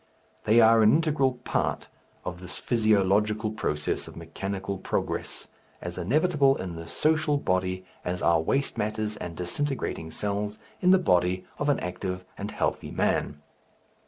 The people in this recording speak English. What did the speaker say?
They are an integral part of this physiological process of mechanical progress, as inevitable in the social body as are waste matters and disintegrating cells in the body of an active and healthy man.